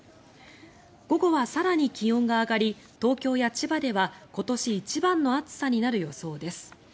午後は更に気温が上がり東京や千葉では今年一番の暑さになる予想です。